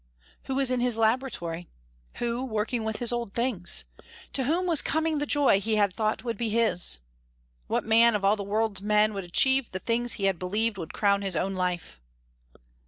Who was in his laboratory? Who working with his old things? To whom was coming the joy he had thought would be his? What man of all the world's men would achieve the things he had believed would crown his own life?